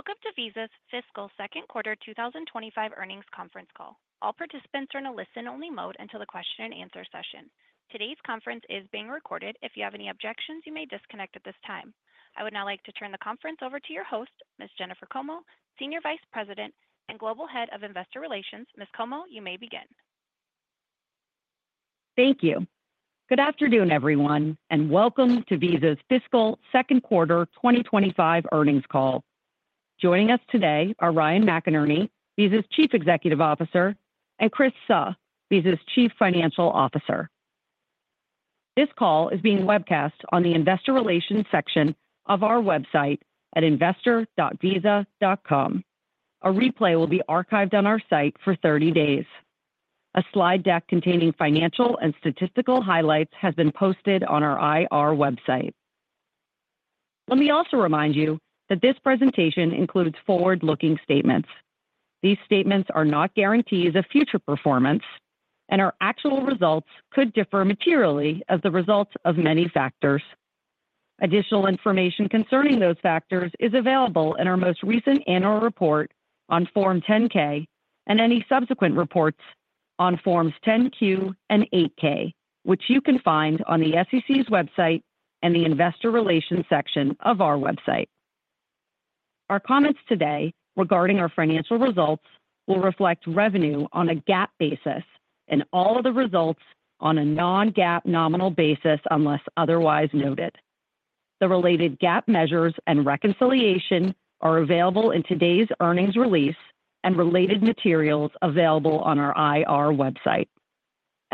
Welcome to Visa's Fiscal Second Quarter 2025 Earnings Conference Call. All participants are in a listen-only mode until the question-and-answer session. Today's conference is being recorded. If you have any objections, you may disconnect at this time. I would now like to turn the conference over to your host, Ms. Jennifer Como, Senior Vice President and Global Head of Investor Relations. Ms. Como, you may begin. Thank you. Good afternoon, everyone, and welcome to Visa's Fiscal Second Quarter 2025 Earnings Call. Joining us today are Ryan McInerney, Visa's Chief Executive Officer; and Chris Suh, Visa's Chief Financial Officer. This call is being webcast on the Investor Relations section of our website at investor.visa.com. A replay will be archived on our site for 30 days. A slide deck containing financial and statistical highlights has been posted on our IR website. Let me also remind you that this presentation includes forward-looking statements. These statements are not guarantees of future performance, and our actual results could differ materially as the result of many factors. Additional information concerning those factors is available in our most recent annual report on Form 10-K and any subsequent reports on Forms 10-Q and 8-K, which you can find on the SEC's website and the Investor Relations section of our website. Our comments today regarding our financial results will reflect revenue on a GAAP basis and all of the results on a non-GAAP nominal basis unless otherwise noted. The related GAAP measures and reconciliation are available in today's earnings release and related materials available on our IR website.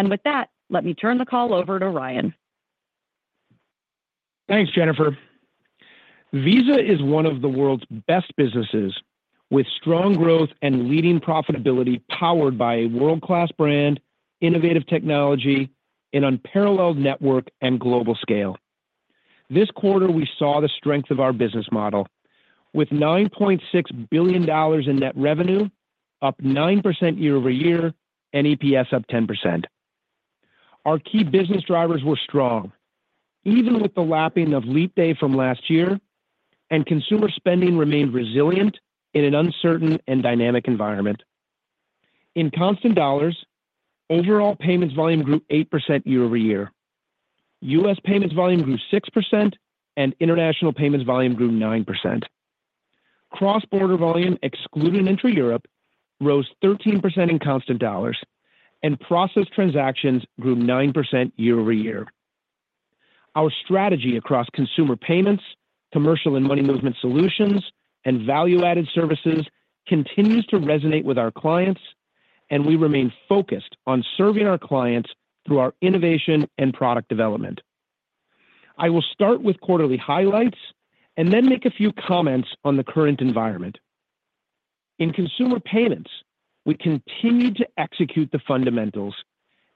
With that, let me turn the call over to Ryan. Thanks, Jennifer. Visa is one of the world's best businesses, with strong growth and leading profitability powered by a world-class brand, innovative technology, and unparalleled network and global scale. This quarter, we saw the strength of our business model, with $9.6 billion in net revenue, up 9% year-over-year, and EPS up 10%. Our key business drivers were strong, even with the lapping of leap day from last year, and consumer spending remained resilient in an uncertain and dynamic environment. In constant dollars, overall payments volume grew 8% year-over-year. U.S. payments volume grew 6%, and international payments volume grew 9%. Cross-border volume, excluding intra-Europe, rose 13% in constant dollars, and processed transactions grew 9% year-over-year. Our strategy across consumer payments, commercial and money movement solutions, and value-added services continues to resonate with our clients, and we remain focused on serving our clients through our innovation and product development. I will start with quarterly highlights and then make a few comments on the current environment. In consumer payments, we continue to execute the fundamentals,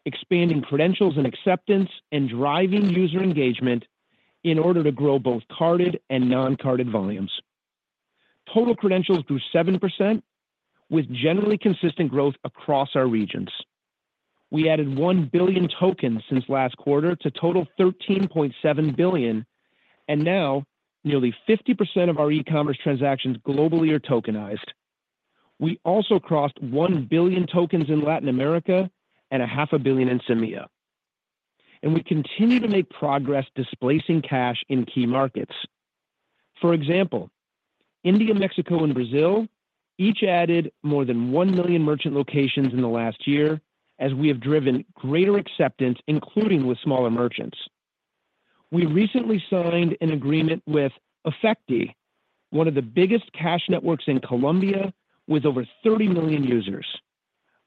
expanding credentials and acceptance and driving user engagement in order to grow both carded and non-carded volumes. Total credentials grew 7%, with generally consistent growth across our regions. We added 1 billion tokens since last quarter to total 13.7 billion, and now nearly 50% of our e-commerce transactions globally are tokenized. We also crossed 1 billion tokens in Latin America and a half a billion in CEMEA. We continue to make progress displacing cash in key markets. For example, India, Mexico, and Brazil, each added more than 1 million merchant locations in the last year, as we have driven greater acceptance, including with smaller merchants. We recently signed an agreement with Efecty, one of the biggest cash networks in Colombia, with over 30 million users.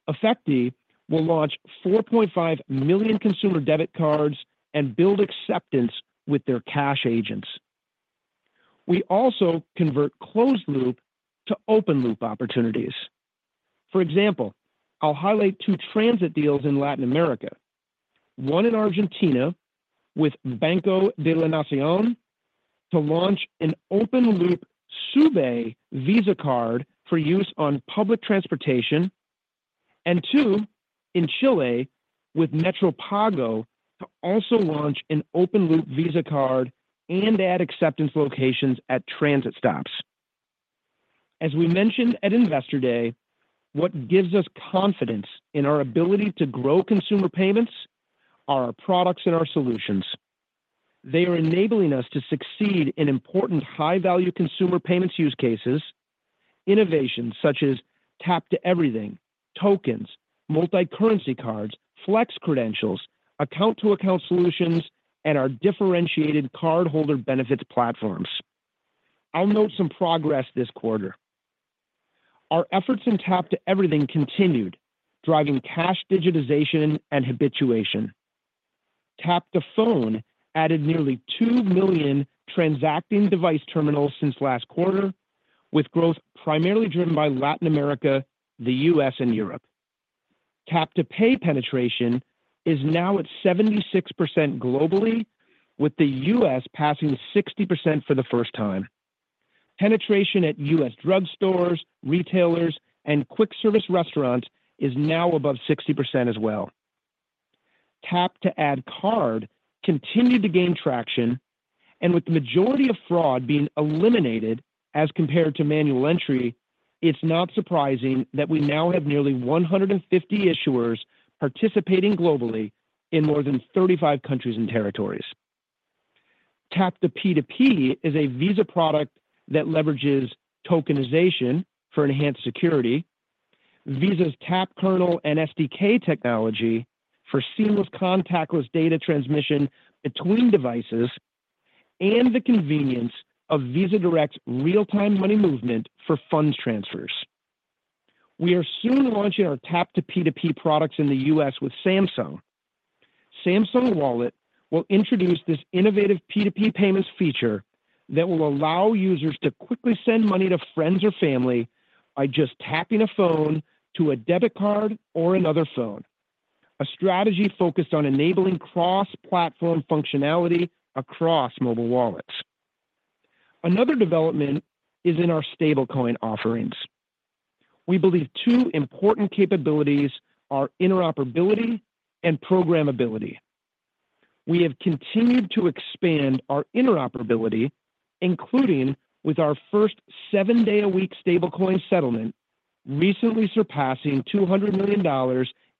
Efecty will launch 4.5 million consumer debit cards and build acceptance with their cash agents. We also convert closed loop to open loop opportunities. For example, I'll highlight two transit deals in Latin America, one in Argentina with Banco de la Nación, to launch an open loop SUBE Visa card for use on public transportation, and two in Chile with MetroPago to also launch an open loop Visa card and add acceptance locations at transit stops. As we mentioned at Investor Day, what gives us confidence in our ability to grow consumer payments are our products and our solutions. They are enabling us to succeed in important high-value consumer payments use cases, innovations such as tap-to-everything, tokens, multi-currency cards, flex credentials, account-to-account solutions, and our differentiated cardholder benefits platforms. I'll note some progress this quarter. Our efforts in tap-to-everything continued, driving cash digitization and habituation. Tap-to-Phone added nearly 2 million transacting device terminals since last quarter, with growth primarily driven by Latin America, the U.S., and Europe. Tap-to-pay penetration is now at 76% globally, with the U.S. passing 60% for the first time. Penetration at U.S. drugstores, retailers, and quick-service restaurants is now above 60% as well. Tap-to-add card continued to gain traction, and with the majority of fraud being eliminated as compared to manual entry, it's not surprising that we now have nearly 150 issuers participating globally in more than 35 countries and territories. Tap-to-P2P is a Visa product that leverages tokenization for enhanced security, Visa's Tap Kernel and SDK technology for seamless contactless data transmission between devices, and the convenience of Visa Direct's real-time money movement for funds transfers. We are soon launching our Tap-to-P2P products in the U.S. with Samsung. Samsung Wallet will introduce this innovative P2P payments feature that will allow users to quickly send money to friends or family by just tapping a phone to a debit card or another phone, a strategy focused on enabling cross-platform functionality across mobile wallets. Another development is in our stablecoin offerings. We believe two important capabilities are interoperability and programmability. We have continued to expand our interoperability, including with our first seven-day-a-week stablecoin settlement, recently surpassing $200 million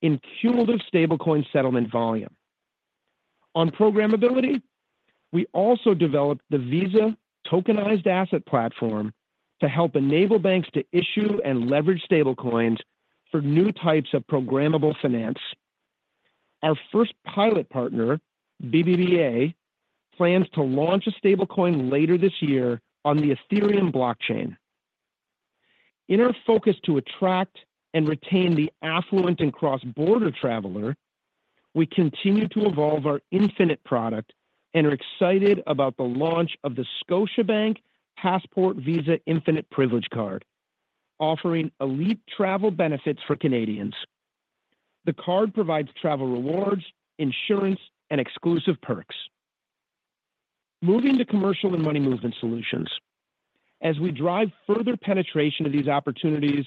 in cumulative stablecoin settlement volume. On programmability, we also developed the Visa Tokenized Asset Platform to help enable banks to issue and leverage stablecoins for new types of programmable finance. Our first pilot partner, BBVA, plans to launch a stablecoin later this year on the Ethereum blockchain. In our focus to attract and retain the affluent and cross-border traveler, we continue to evolve our Infinite product and are excited about the launch of the Scotiabank Passport Visa Infinite Privilege card, offering elite travel benefits for Canadians. The card provides travel rewards, insurance, and exclusive perks. Moving to commercial and money movement solutions. As we drive further penetration of these opportunities,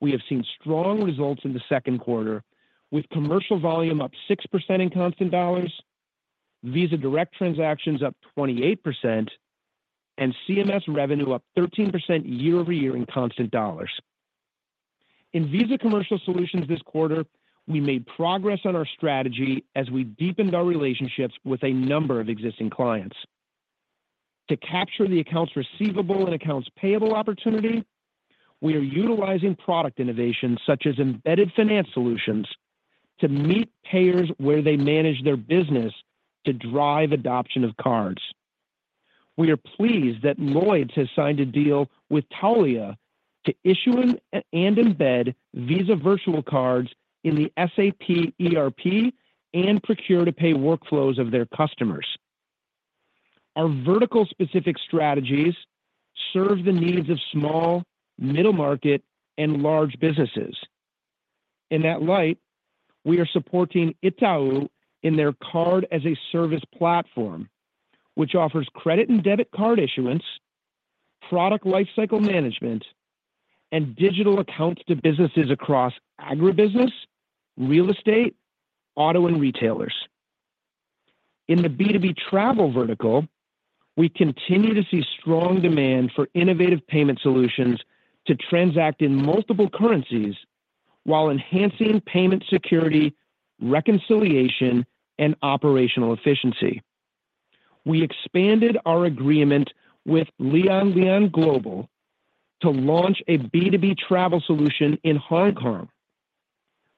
we have seen strong results in the second quarter, with commercial volume up 6% in constant dollars, Visa Direct transactions up 28%, and CMS revenue up 13% year-over-year in constant dollars. In Visa commercial solutions this quarter, we made progress on our strategy as we deepened our relationships with a number of existing clients. To capture the accounts receivable and accounts payable opportunity, we are utilizing product innovations such as embedded finance solutions to meet payers where they manage their business to drive adoption of cards. We are pleased that Lloyd's has signed a deal with Taulia to issue and embed Visa virtual cards in the SAP ERP and Procure to Pay workflows of their customers. Our vertical-specific strategies serve the needs of small, middle-market, and large businesses. In that light, we are supporting Itaú in their card-as-a-service platform, which offers credit and debit card issuance, product lifecycle management, and digital accounts to businesses across agribusiness, real estate, auto, and retailers. In the B2B travel vertical, we continue to see strong demand for innovative payment solutions to transact in multiple currencies while enhancing payment security, reconciliation, and operational efficiency. We expanded our agreement with LianLian Global to launch a B2B travel solution in Hong Kong.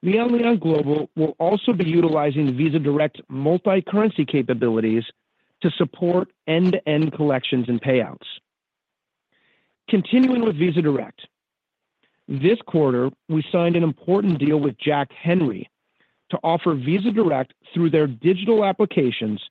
LianLian Global will also be utilizing Visa Direct's multi-currency capabilities to support end-to-end collections and payouts. Continuing with Visa Direct, this quarter, we signed an important deal with Jack Henry to offer Visa Direct through their digital applications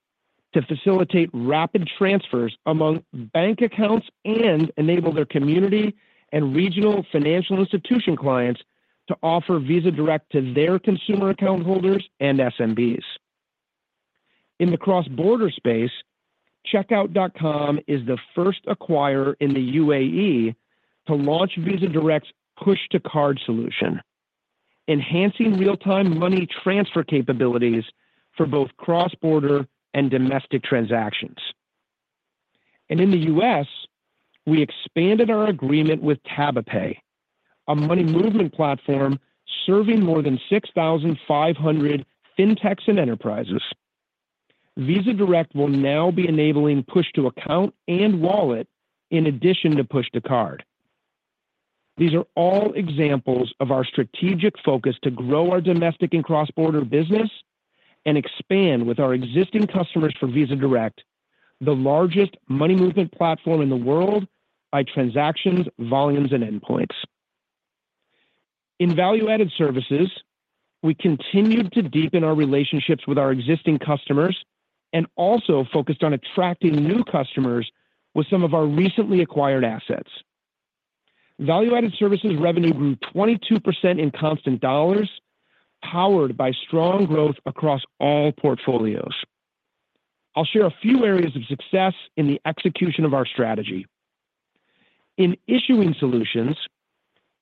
to facilitate rapid transfers among bank accounts and enable their community and regional financial institution clients to offer Visa Direct to their consumer account holders and SMBs. In the cross-border space, Checkout.com is the first acquirer in the UAE to launch Visa Direct's push-to-card solution, enhancing real-time money transfer capabilities for both cross-border and domestic transactions. In the U.S., we expanded our agreement with TabaPay, a money movement platform serving more than 6,500 fintechs and enterprises. Visa Direct will now be enabling push-to-account and wallet in addition to push-to-card. These are all examples of our strategic focus to grow our domestic and cross-border business and expand with our existing customers for Visa Direct, the largest money movement platform in the world by transactions, volumes, and endpoints. In value-added services, we continued to deepen our relationships with our existing customers and also focused on attracting new customers with some of our recently acquired assets. Value-added services revenue grew 22% in constant dollars, powered by strong growth across all portfolios. I'll share a few areas of success in the execution of our strategy. In issuing solutions,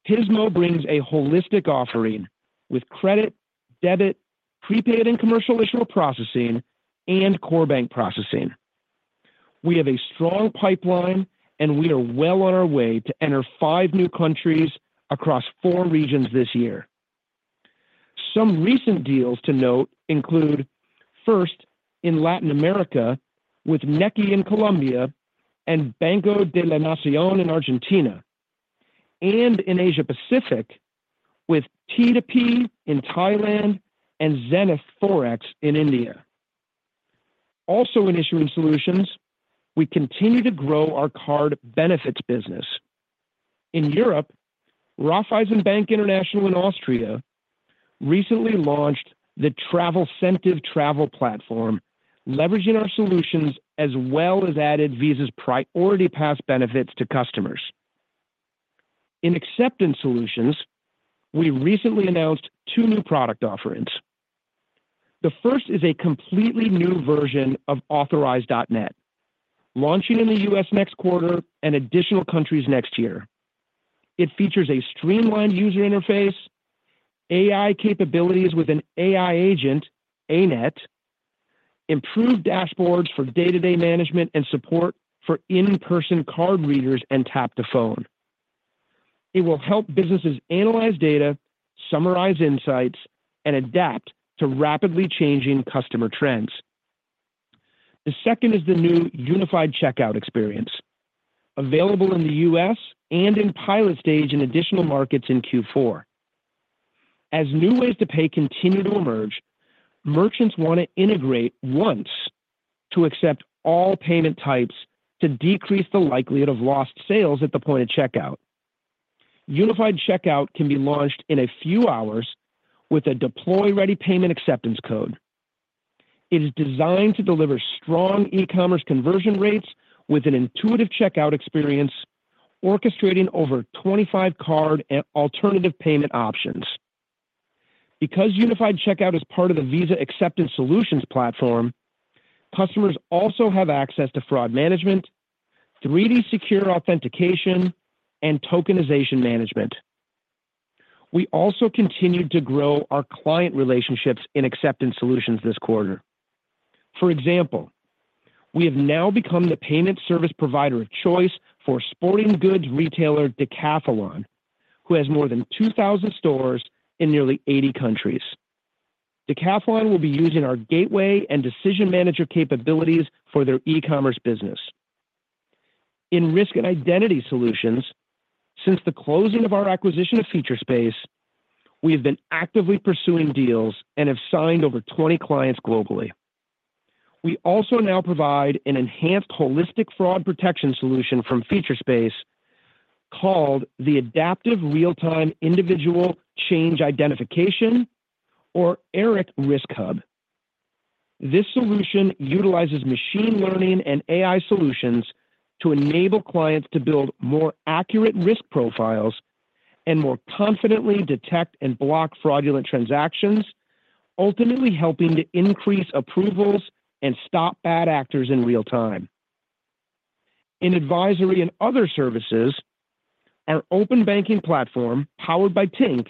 Pismo brings a holistic offering with credit, debit, prepaid and commercial issuer processing, and core bank processing. We have a strong pipeline, and we are well on our way to enter five new countries across four regions this year. Some recent deals to note include first in Latin America with Nequi in Colombia and Banco de la Nación in Argentina, and in Asia Pacific with T2P in Thailand and Zenith Forex in India. Also in issuing solutions, we continue to grow our card benefits business. In Europe, Raiffeisen Bank International in Austria recently launched the "Travelcentive" travel platform, leveraging our solutions as well as added Visa's Priority Pass benefits to customers. In acceptance solutions, we recently announced two new product offerings. The first is a completely new version of Authorize.net, launching in the U.S. next quarter and additional countries next year. It features a streamlined user interface, AI capabilities with an AI agent, ANet, improved dashboards for day-to-day management and support for in-person card readers and tap-to-phone. It will help businesses analyze data, summarize insights, and adapt to rapidly changing customer trends. The second is the new unified checkout experience, available in the U.S. and in pilot stage in additional markets in Q4. As new ways to pay continue to emerge, merchants want to integrate once to accept all payment types to decrease the likelihood of lost sales at the point of checkout. Unified checkout can be launched in a few hours with a deploy-ready payment acceptance code. It is designed to deliver strong e-commerce conversion rates with an intuitive checkout experience, orchestrating over 25 card and alternative payment options. Because unified checkout is part of the Visa acceptance solutions platform, customers also have access to fraud management, 3D Secure authentication, and tokenization management. We also continue to grow our client relationships in acceptance solutions this quarter. For example, we have now become the payment service provider of choice for sporting goods retailer Decathlon, who has more than 2,000 stores in nearly 80 countries. Decathlon will be using our gateway and decision manager capabilities for their e-commerce business. In risk and identity solutions, since the closing of our acquisition of Featurespace, we have been actively pursuing deals and have signed over 20 clients globally. We also now provide an enhanced holistic fraud protection solution from Featurespace called the Adaptive Real-Time Individual Change Identification, or ARIC Risk Hub. This solution utilizes machine learning and AI solutions to enable clients to build more accurate risk profiles and more confidently detect and block fraudulent transactions, ultimately helping to increase approvals and stop bad actors in real time. In advisory and other services, our open banking platform powered by Tink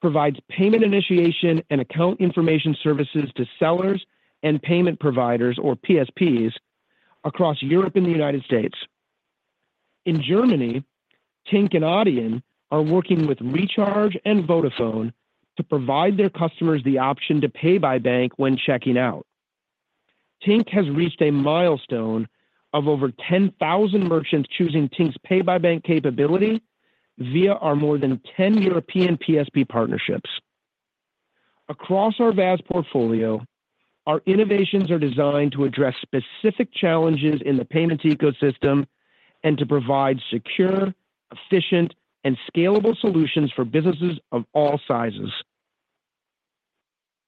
provides payment initiation and account information services to sellers and payment providers, or PSPs, across Europe and the United States. In Germany, Tink and Adyen are working with Recharge and Vodafone to provide their customers the option to pay by bank when checking out. Tink has reached a milestone of over 10,000 merchants choosing Tink's Pay-by-Bank capability via our more than 10 European PSP partnerships. Across our VAS portfolio, our innovations are designed to address specific challenges in the payments ecosystem and to provide secure, efficient, and scalable solutions for businesses of all sizes.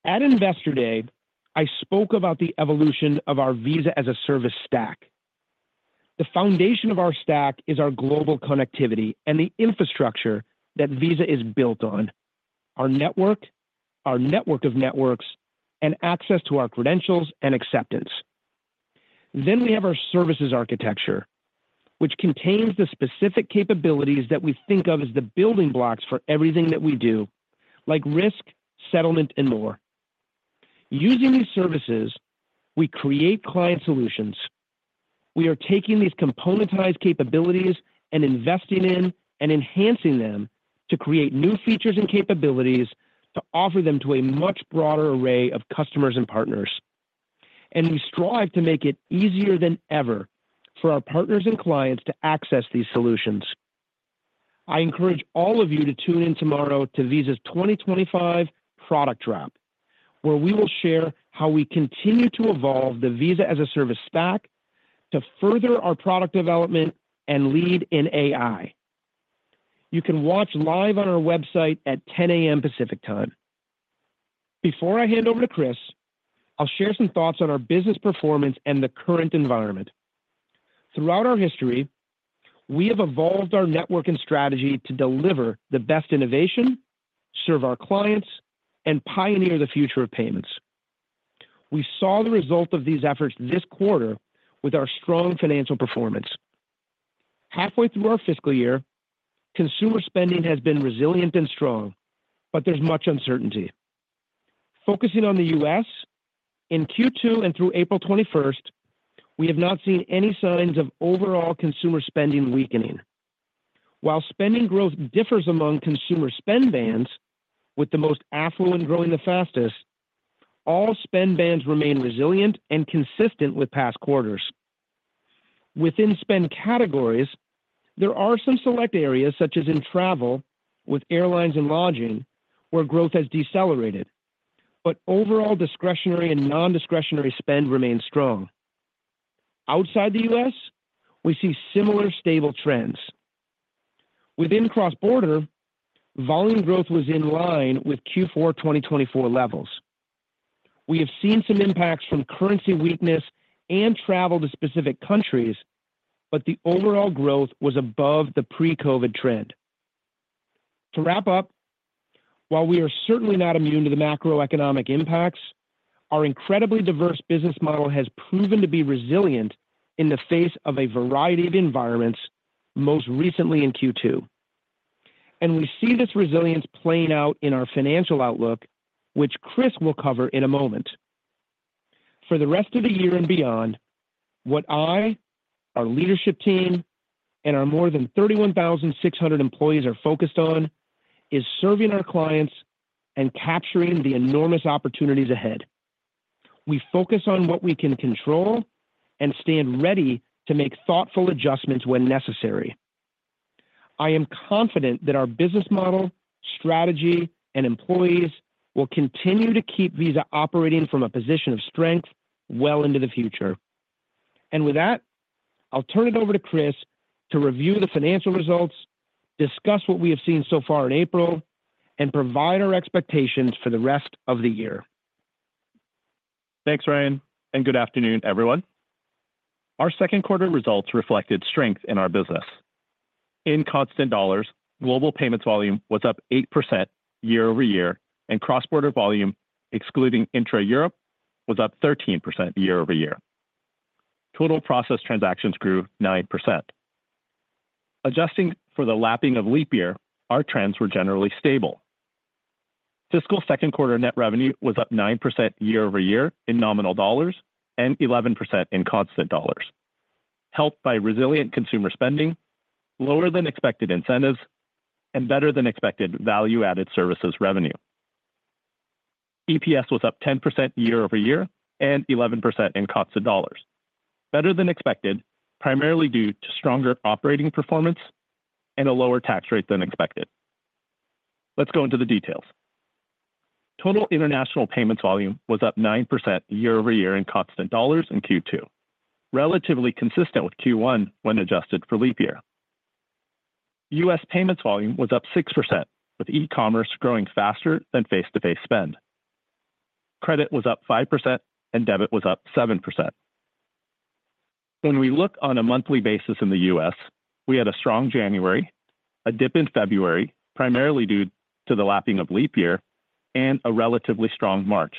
At Investor Day, I spoke about the evolution of our Visa as a service stack. The foundation of our stack is our global connectivity and the infrastructure that Visa is built on, our network, our network of networks, and access to our credentials and acceptance. We have our services architecture, which contains the specific capabilities that we think of as the building blocks for everything that we do, like risk, settlement, and more. Using these services, we create client solutions. We are taking these componentized capabilities and investing in and enhancing them to create new features and capabilities to offer them to a much broader array of customers and partners. We strive to make it easier than ever for our partners and clients to access these solutions. I encourage all of you to tune in tomorrow to Visa's 2025 product drop, where we will share how we continue to evolve the Visa as a service stack to further our product development and lead in AI. You can watch live on our website at 10:00 A.M. Pacific time. Before I hand over to Chris, I'll share some thoughts on our business performance and the current environment. Throughout our history, we have evolved our network and strategy to deliver the best innovation, serve our clients, and pioneer the future of payments. We saw the result of these efforts this quarter with our strong financial performance. Halfway through our fiscal year, consumer spending has been resilient and strong, but there's much uncertainty. Focusing on the U.S., in Q2 and through April 21, we have not seen any signs of overall consumer spending weakening. While spending growth differs among consumer spend bands, with the most affluent growing the fastest, all spend bands remain resilient and consistent with past quarters. Within spend categories, there are some select areas, such as in travel with airlines and lodging, where growth has decelerated, but overall discretionary and non-discretionary spend remains strong. Outside the U.S., we see similar stable trends. Within cross-border, volume growth was in line with Q4 2024 levels. We have seen some impacts from currency weakness and travel to specific countries, but the overall growth was above the pre-COVID trend. To wrap up, while we are certainly not immune to the macroeconomic impacts, our incredibly diverse business model has proven to be resilient in the face of a variety of environments, most recently in Q2. We see this resilience playing out in our financial outlook, which Chris will cover in a moment. For the rest of the year and beyond, what I, our leadership team, and our more than 31,600 employees are focused on is serving our clients and capturing the enormous opportunities ahead. We focus on what we can control and stand ready to make thoughtful adjustments when necessary. I am confident that our business model, strategy, and employees will continue to keep Visa operating from a position of strength well into the future. With that, I'll turn it over to Chris to review the financial results, discuss what we have seen so far in April, and provide our expectations for the rest of the year. Thanks, Ryan, and good afternoon, everyone. Our second quarter results reflected strength in our business. In constant dollars, global payments volume was up 8% year-over-year, and cross-border volume, excluding intra-Europe, was up 13% year-over-year. Total processed transactions grew 9%. Adjusting for the lapping of leap year, our trends were generally stable. Fiscal second quarter net revenue was up 9% year-over-year in nominal dollars and 11% in constant dollars, helped by resilient consumer spending, lower-than-expected incentives, and better-than-expected value-added services revenue. EPS was up 10% year-over-year and 11% in constant dollars, better-than-expected, primarily due to stronger operating performance and a lower tax rate than expected. Let's go into the details. Total international payments volume was up 9% year-over-year in constant dollars in Q2, relatively consistent with Q1 when adjusted for leap year. U.S. Payments volume was up 6%, with e-commerce growing faster than face-to-face spend. Credit was up 5%, and debit was up 7%. When we look on a monthly basis in the U.S., we had a strong January, a dip in February, primarily due to the lapping of leap year, and a relatively strong March,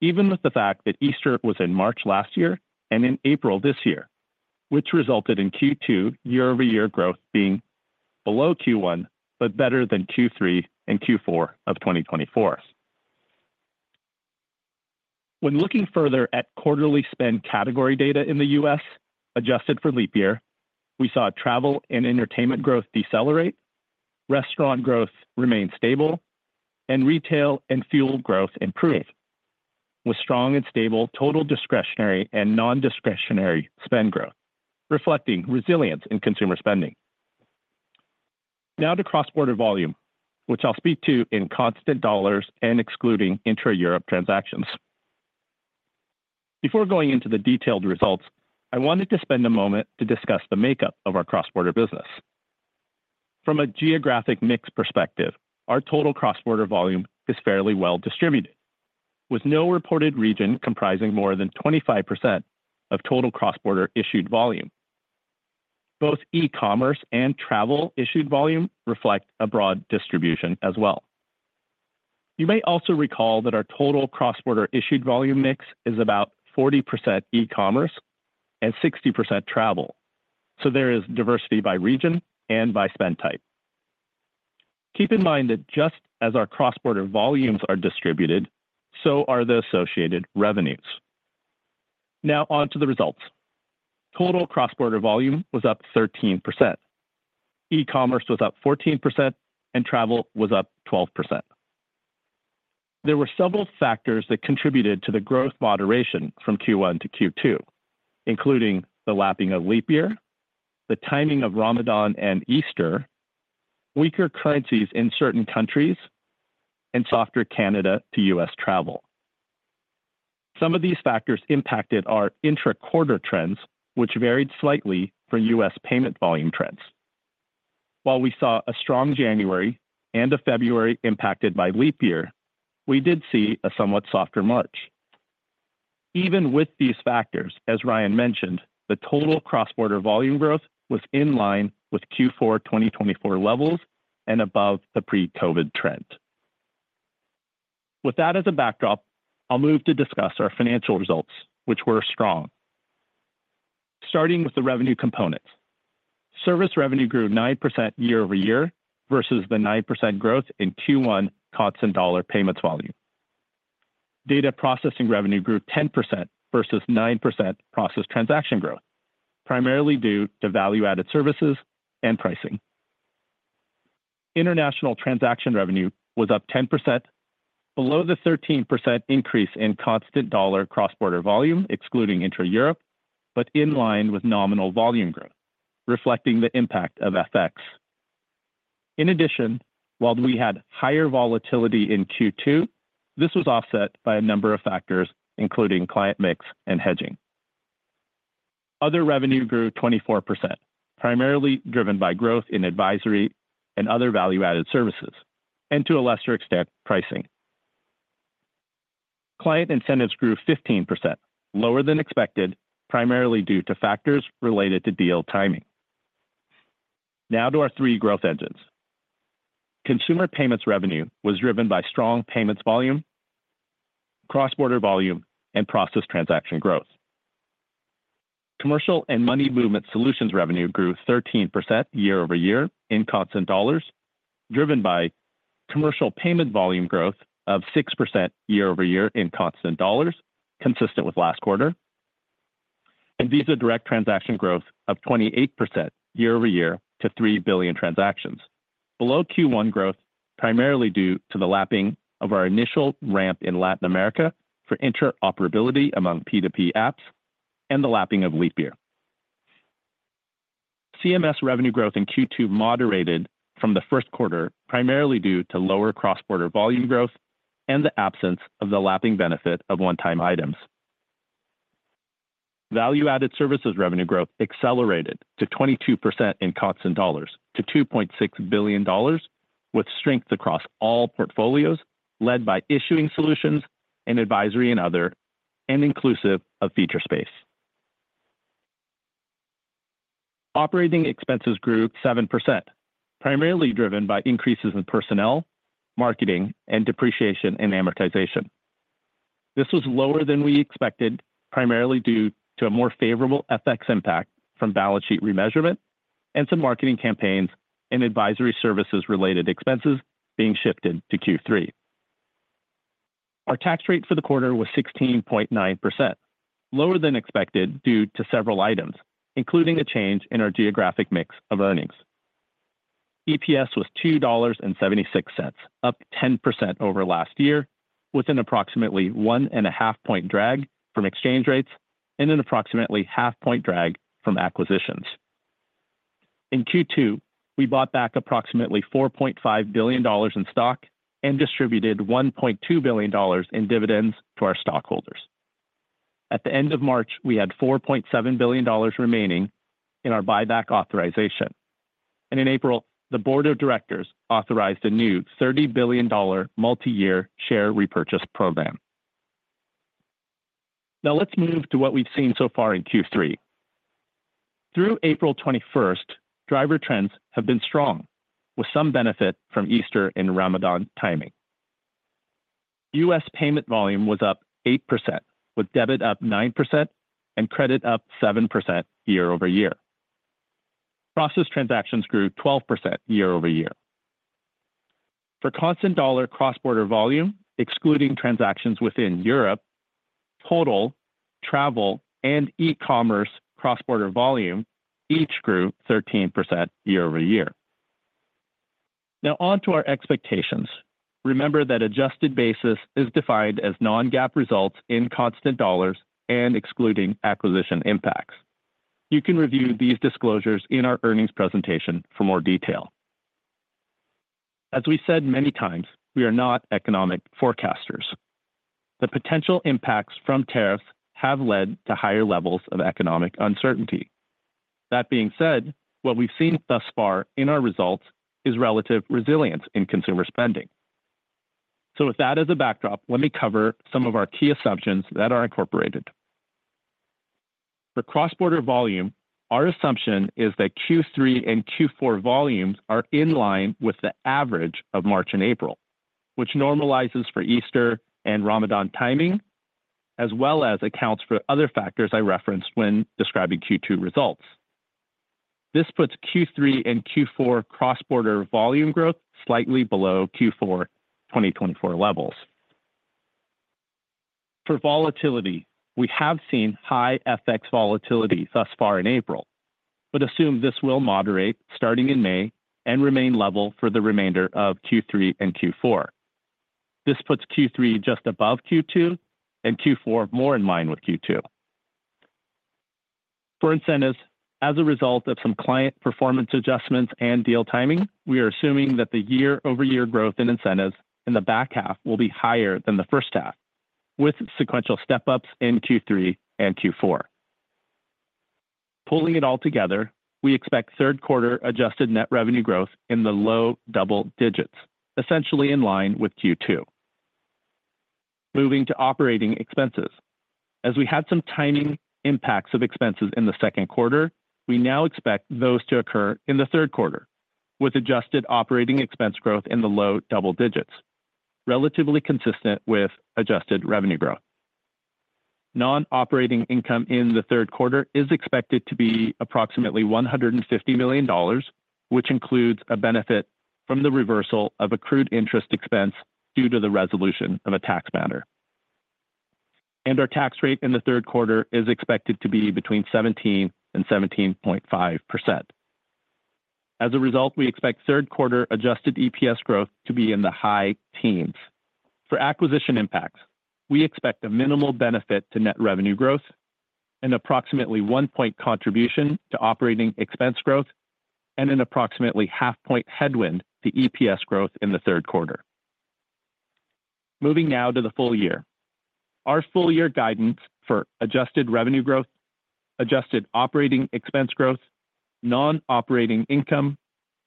even with the fact that Easter was in March last year and in April this year, which resulted in Q2 year-over-year growth being below Q1, but better than Q3 and Q4 of 2024. When looking further at quarterly spend category data in the U.S., adjusted for leap year, we saw travel and entertainment growth decelerate, restaurant growth remain stable, and retail and fuel growth improve, with strong and stable total discretionary and non-discretionary spend growth, reflecting resilience in consumer spending. Now to cross-border volume, which I'll speak to in constant dollars and excluding intra-Europe transactions. Before going into the detailed results, I wanted to spend a moment to discuss the makeup of our cross-border business. From a geographic mix perspective, our total cross-border volume is fairly well distributed, with no reported region comprising more than 25% of total cross-border issued volume. Both e-commerce and travel issued volume reflect a broad distribution as well. You may also recall that our total cross-border issued volume mix is about 40% e-commerce and 60% travel, so there is diversity by region and by spend type. Keep in mind that just as our cross-border volumes are distributed, so are the associated revenues. Now on to the results. Total cross-border volume was up 13%. E-commerce was up 14%, and travel was up 12%. There were several factors that contributed to the growth moderation from Q1 to Q2, including the lapping of leap year, the timing of Ramadan and Easter, weaker currencies in certain countries, and softer Canada to U.S. travel. Some of these factors impacted our intra-quarter trends, which varied slightly from U.S. payment volume trends. While we saw a strong January and a February impacted by leap year, we did see a somewhat softer March. Even with these factors, as Ryan mentioned, the total cross-border volume growth was in line with Q4 2024 levels and above the pre-COVID trend. With that as a backdrop, I'll move to discuss our financial results, which were strong. Starting with the revenue components, service revenue grew 9% year-over-year versus the 9% growth in Q1 constant dollar payments volume. Data processing revenue grew 10% versus 9% processed transaction growth, primarily due to value-added services and pricing. International transaction revenue was up 10%, below the 13% increase in constant dollar cross-border volume, excluding intra-Europe, but in line with nominal volume growth, reflecting the impact of FX. In addition, while we had higher volatility in Q2, this was offset by a number of factors, including client mix and hedging. Other revenue grew 24%, primarily driven by growth in advisory and other value-added services, and to a lesser extent, pricing. Client incentives grew 15%, lower than expected, primarily due to factors related to deal timing. Now to our three growth engines. Consumer payments revenue was driven by strong payments volume, cross-border volume, and process transaction growth. Commercial and money movement solutions revenue grew 13% year-over-year in constant dollars, driven by commercial payment volume growth of 6% year-over-year in constant dollars, consistent with last quarter, and Visa Direct transaction growth of 28% year-over-year to 3 billion transactions, below Q1 growth, primarily due to the lapping of our initial ramp in Latin America for interoperability among P2P apps and the lapping of leap year. CMS revenue growth in Q2 moderated from the first quarter, primarily due to lower cross-border volume growth and the absence of the lapping benefit of one-time items. Value-added services revenue growth accelerated to 22% in constant dollars to $2.6 billion, with strength across all portfolios led by issuing solutions and advisory and other, and inclusive of Feature Space. Operating expenses grew 7%, primarily driven by increases in personnel, marketing, and depreciation and amortization. This was lower than we expected, primarily due to a more favorable FX impact from balance sheet remeasurement and some marketing campaigns and advisory services-related expenses being shifted to Q3. Our tax rate for the quarter was 16.9%, lower than expected due to several items, including a change in our geographic mix of earnings. EPS was $2.76, up 10% over last year, with an approximately one-and-a-half-point drag from exchange rates and an approximately half-point drag from acquisitions. In Q2, we bought back approximately $4.5 billion in stock and distributed $1.2 billion in dividends to our stockholders. At the end of March, we had $4.7 billion remaining in our buyback authorization. In April, the board of directors authorized a new $30 billion multi-year share repurchase program. Now let's move to what we've seen so far in Q3. Through April 21, driver trends have been strong, with some benefit from Easter and Ramadan timing. U.S. payment volume was up 8%, with debit up 9% and credit up 7% year-over-year. Processed transactions grew 12% year-over-year. For constant dollar cross-border volume, excluding transactions within Europe, total, travel, and e-commerce cross-border volume each grew 13% year-over-year. Now on to our expectations. Remember that adjusted basis is defined as non-GAAP results in constant dollars and excluding acquisition impacts. You can review these disclosures in our earnings presentation for more detail. As we said many times, we are not economic forecasters. The potential impacts from tariffs have led to higher levels of economic uncertainty. That being said, what we've seen thus far in our results is relative resilience in consumer spending. With that as a backdrop, let me cover some of our key assumptions that are incorporated. For cross-border volume, our assumption is that 3 and Q4 volumes are in line with the average of March and April, which normalizes for Easter and Ramadan timing, as well as accounts for other factors I referenced when describing Q2 results. This puts Q3 and Q4 cross-border volume growth slightly below Q4 2024 levels. For volatility, we have seen high FX volatility thus far in April, but assume this will moderate starting in May and remain level for the remainder of Q3 and Q4. This puts Q3 just above Q2 and Q4 more in line with Q2. For incentives, as a result of some client performance adjustments and deal timing, we are assuming that the year-over-year growth in incentives in the back half will be higher than the first half, with sequential step-ups in Q3 and Q4. Pulling it all together, we expect third quarter adjusted net revenue growth in the low double digits, essentially in line with Q2. Moving to operating expenses. As we had some timing impacts of expenses in the second quarter, we now expect those to occur in the third quarter, with adjusted operating expense growth in the low double digits, relatively consistent with adjusted revenue growth. Non-operating income in the third quarter is expected to be approximately $150 million, which includes a benefit from the reversal of accrued interest expense due to the resolution of a tax matter. Our tax rate in the third quarter is expected to be between 17% and 17.5%. As a result, we expect third quarter adjusted EPS growth to be in the high-teens. For acquisition impacts, we expect a minimal benefit to net revenue growth, an approximately one-point contribution to operating expense growth, and an approximately half-point headwind to EPS growth in the third quarter. Moving now to the full year. Our full year guidance for adjusted revenue growth, adjusted operating expense growth, non-operating income,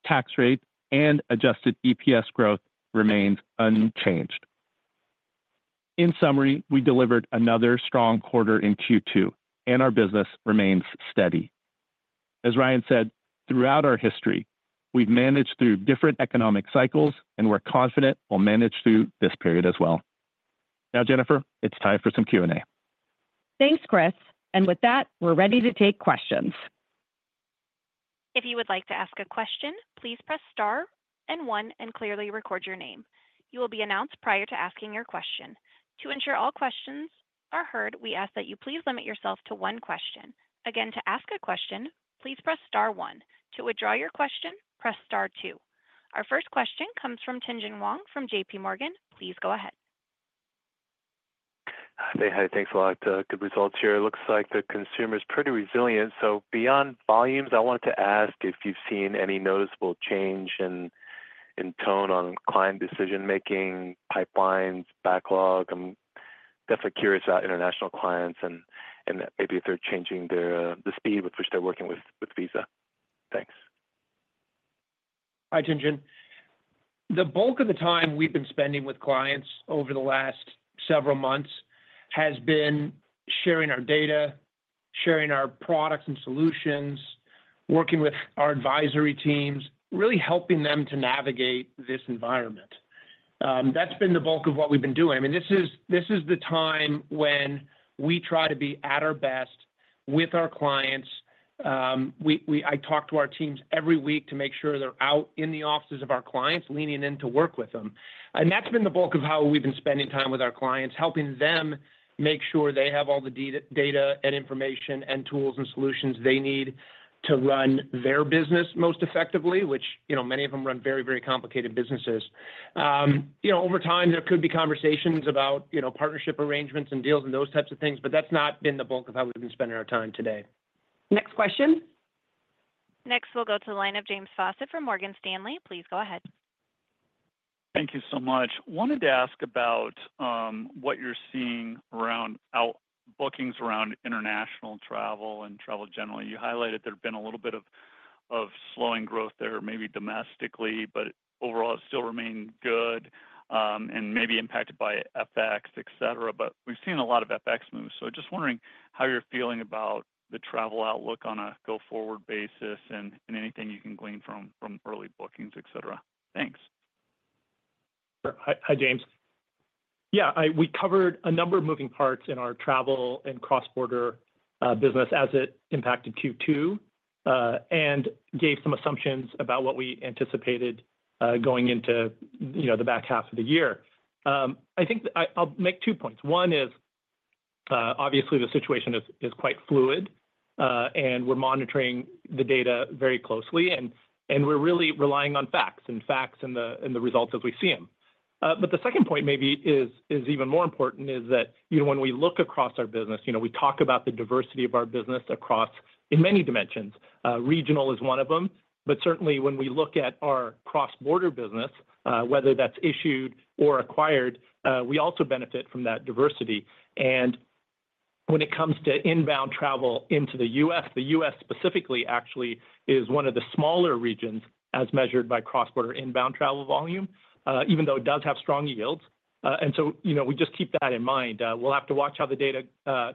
tax rate, and adjusted EPS growth remains unchanged. In summary, we delivered another strong quarter in Q2, and our business remains steady. As Ryan said, throughout our history, we've managed through different economic cycles, and we're confident we'll manage through this period as well. Now, Jennifer, it's time for some Q&A. Thanks, Chris. With that, we're ready to take questions. If you would like to ask a question, please press star and one and clearly record your name. You will be announced prior to asking your question. To ensure all questions are heard, we ask that you please limit yourself to one question. Again, to ask a question, please press star one. To withdraw your question, press star two. Our first question comes from Tien-Tsin Huang from JPMorgan. Please go ahead. Hey, hi. Thanks a lot. Good results here. It looks like the consumer is pretty resilient. Beyond volumes, I wanted to ask if you've seen any noticeable change in tone on client decision-making, pipelines, backlog. I'm definitely curious about international clients and maybe if they're changing the speed with which they're working with Visa. Thanks. Hi, Tien-Tsin. The bulk of the time we've been spending with clients over the last several months has been sharing our data, sharing our products and solutions, working with our advisory teams, really helping them to navigate this environment. That's been the bulk of what we've been doing. I mean, this is the time when we try to be at our best with our clients. I talk to our teams every week to make sure they're out in the offices of our clients leaning in to work with them. That's been the bulk of how we've been spending time with our clients, helping them make sure they have all the data and information and tools and solutions they need to run their business most effectively, which many of them run very, very complicated businesses. Over time, there could be conversations about partnership arrangements and deals and those types of things, but that's not been the bulk of how we've been spending our time today. Next question. Next, we'll go to the line of James Faucette from Morgan Stanley. Please go ahead. Thank you so much. Wanted to ask about what you're seeing around bookings around international travel and travel generally. You highlighted there's been a little bit of slowing growth there, maybe domestically, but overall it still remained good and maybe impacted by FX, etc. We've seen a lot of FX moves. Just wondering how you're feeling about the travel outlook on a go-forward basis and anything you can glean from early bookings, etc. Thanks. Hi, James. Yeah, we covered a number of moving parts in our travel and cross-border business as it impacted Q2 and gave some assumptions about what we anticipated going into the back half of the year. I think I'll make two points. One is, obviously, the situation is quite fluid, and we're monitoring the data very closely, and we're really relying on facts and the results as we see them. The second point maybe is even more important is that when we look across our business, we talk about the diversity of our business across many dimensions. Regional is one of them, but certainly when we look at our cross-border business, whether that is issued or acquired, we also benefit from that diversity. When it comes to inbound travel into the U.S., the U.S. specifically actually is one of the smaller regions as measured by cross-border inbound travel volume, even though it does have strong yields. We just keep that in mind. We will have to watch how the data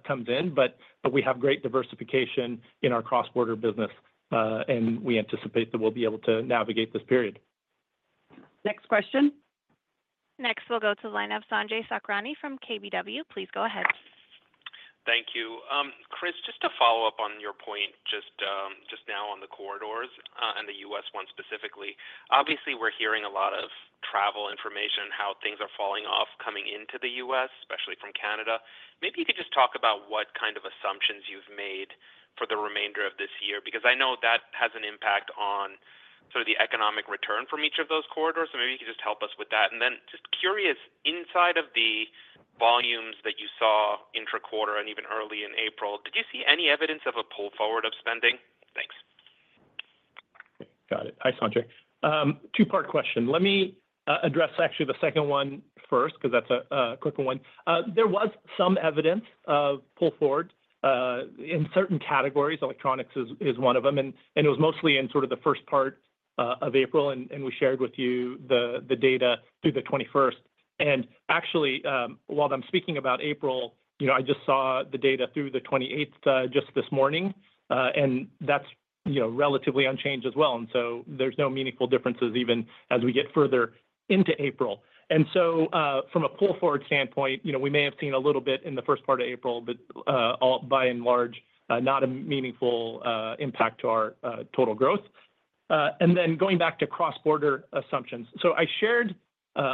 comes in, but we have great diversification in our cross-border business, and we anticipate that we will be able to navigate this period. Next question. Next, we will go to the line of Sanjay Sakhrani from KBW. Please go ahead. Thank you. Chris, just to follow up on your point just now on the corridors and the U.S. one specifically. Obviously, we're hearing a lot of travel information, how things are falling off coming into the U.S., especially from Canada. Maybe you could just talk about what kind of assumptions you've made for the remainder of this year, because I know that has an impact on sort of the economic return from each of those corridors. Maybe you could just help us with that. I am just curious, inside of the volumes that you saw intra quarter and even early in April, did you see any evidence of a pull forward of spending? Thanks. Got it. Hi, Sanjay. Two-part question. Let me address actually the second one first because that's a quicker one. There was some evidence of pull forward in certain categories. Electronics is one of them, and it was mostly in sort of the first part of April, and we shared with you the data through the 21st. Actually, while I'm speaking about April, I just saw the data through the 28th just this morning, and that's relatively unchanged as well. There is no meaningful differences even as we get further into April. From a pull forward standpoint, we may have seen a little bit in the first part of April, but by and large, not a meaningful impact to our total growth. Going back to cross-border assumptions, I shared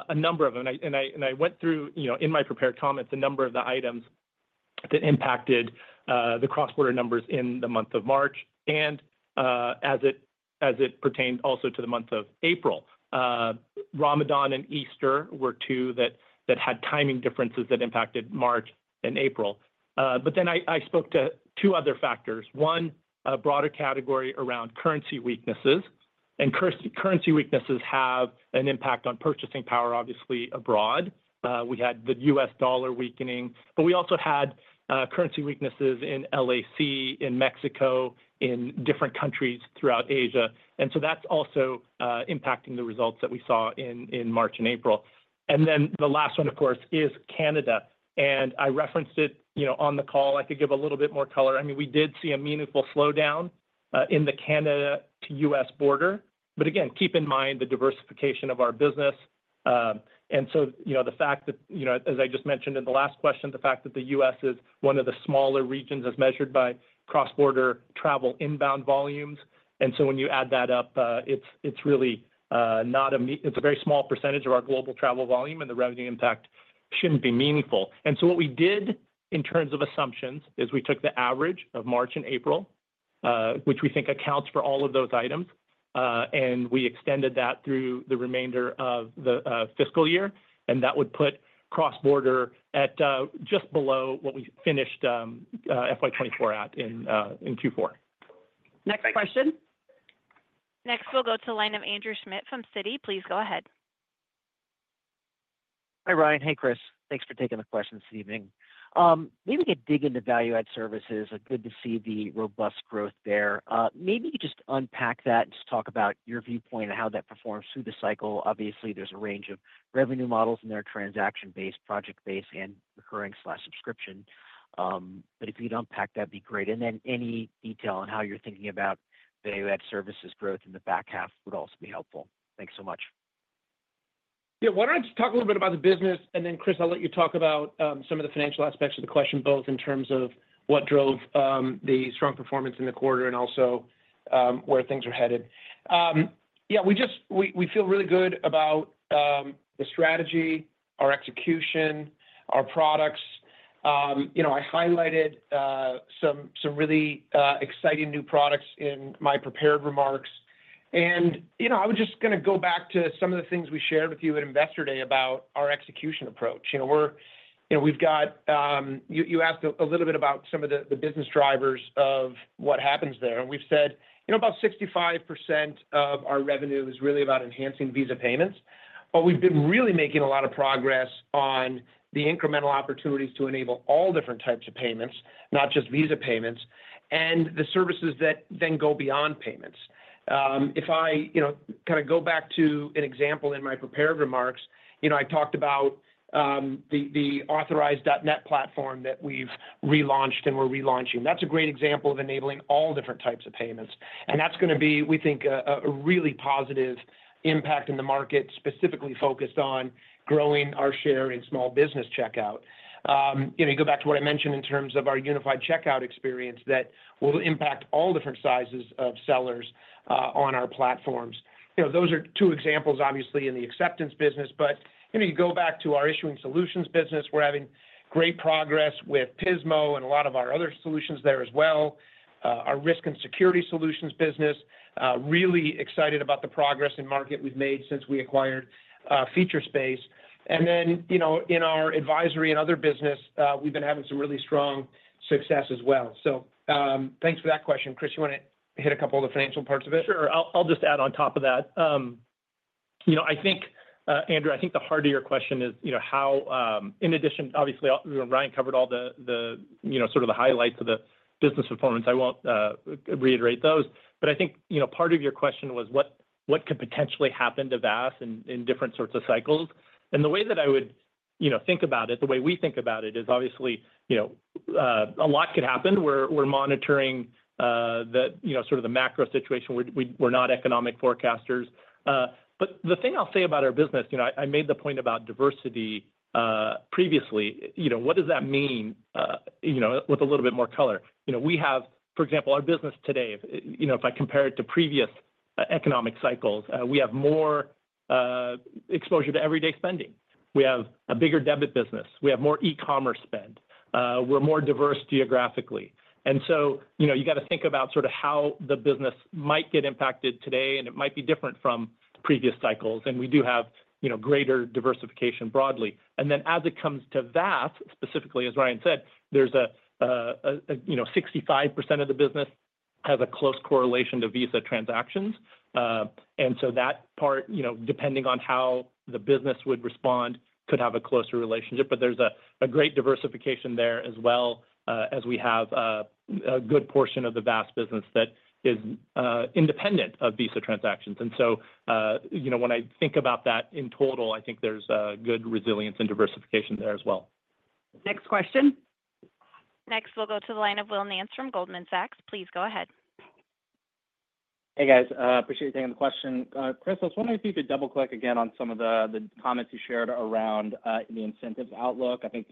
a number of them, and I went through in my prepared comments a number of the items that impacted the cross-border numbers in the month of March and as it pertained also to the month of April. Ramadan and Easter were two that had timing differences that impacted March and April. I spoke to two other factors. One, a broader category around currency weaknesses. Currency weaknesses have an impact on purchasing power, obviously, abroad. We had the U.S. dollar weakening, but we also had currency weaknesses in LAC, in Mexico, in different countries throughout Asia. That is also impacting the results that we saw in March and April. The last one, of course, is Canada. I referenced it on the call. I could give a little bit more color. I mean, we did see a meaningful slowdown in the Canada to US border. Again, keep in mind the diversification of our business. The fact that, as I just mentioned in the last question, the fact that the U.S. is one of the smaller regions as measured by cross-border travel inbound volumes. When you add that up, it's really not a, I mean, it's a very small percentage of our global travel volume, and the revenue impact shouldn't be meaningful. What we did in terms of assumptions is we took the average of March and April, which we think accounts for all of those items, and we extended that through the remainder of the fiscal year. That would put cross-border at just below what we finished FY 2024 at in Q4. Next question. Next, we'll go to the line of Andrew Schmidt from Citi. Please go ahead. Hi, Ryan. Hey, Chris. Thanks for taking the question this evening. Maybe we could dig into value-add services. It's good to see the robust growth there. Maybe you just unpack that and just talk about your viewpoint and how that performs through the cycle. Obviously, there's a range of revenue models in there: transaction-based, project-based, and recurring/subscription. If you could unpack that, it'd be great. Any detail on how you're thinking about value-add services growth in the back half would also be helpful. Thanks so much. Yeah, why don't I just talk a little bit about the business? Chris, I'll let you talk about some of the financial aspects of the question, both in terms of what drove the strong performance in the quarter and also where things are headed. Yeah, we feel really good about the strategy, our execution, our products. I highlighted some really exciting new products in my prepared remarks. I was just going to go back to some of the things we shared with you at Investor Day about our execution approach. You asked a little bit about some of the business drivers of what happens there. We have said about 65% of our revenue is really about enhancing Visa payments. We have been really making a lot of progress on the incremental opportunities to enable all different types of payments, not just Visa payments, and the services that then go beyond payments. If I kind of go back to an example in my prepared remarks, I talked about the Authorize.net platform that we have relaunched and we are relaunching. That is a great example of enabling all different types of payments. That is going to be, we think, a really positive impact in the market, specifically focused on growing our share in small business checkout. You go back to what I mentioned in terms of our unified checkout experience that will impact all different sizes of sellers on our platforms. Those are two examples, obviously, in the acceptance business. You go back to our issuing solutions business, we're having great progress with Pismo and a lot of our other solutions there as well. Our risk and security solutions business, really excited about the progress in market we've made since we acquired Feature Space. In our advisory and other business, we've been having some really strong success as well. Thanks for that question. Chris, you want to hit a couple of the financial parts of it? Sure. I'll just add on top of that. I think, Andrew, I think the heart of your question is how, in addition, obviously, Ryan covered all the sort of the highlights of the business performance. I won't reiterate those. I think part of your question was what could potentially happen to VAS in different sorts of cycles. The way that I would think about it, the way we think about it is obviously a lot could happen. We're monitoring sort of the macro situation. We're not economic forecasters. The thing I'll say about our business, I made the point about diversity previously. What does that mean with a little bit more color? We have, for example, our business today, if I compare it to previous economic cycles, we have more exposure to everyday spending. We have a bigger debit business. We have more e-commerce spend. We're more diverse geographically. You got to think about sort of how the business might get impacted today, and it might be different from previous cycles. We do have greater diversification broadly. As it comes to VAS, specifically, as Ryan said, 65% of the business has a close correlation to Visa transactions. That part, depending on how the business would respond, could have a closer relationship. There is a great diversification there as well as we have a good portion of the VAS business that is independent of Visa transactions. When I think about that in total, I think there is good resilience and diversification there as well. Next question. Next, we will go to the line of Will Nance from Goldman Sachs. Please go ahead. Hey, guys. Appreciate you taking the question. Chris, I was wondering if you could double-click again on some of the comments you shared around the incentives outlook. I think